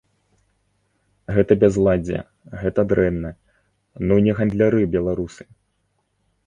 Гэта бязладдзе, гэта дрэнна, ну не гандляры беларусы!